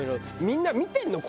みんな見てるの？